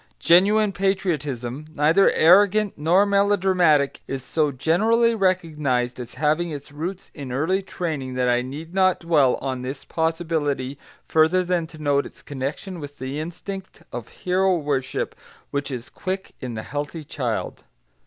Genuine patriotism, neither arrogant nor melodramatic, is so generally recognised as having its roots in early training that I need not dwell on this possibility, further than to note its connection with the instinct of hero worship which is quick in the healthy child.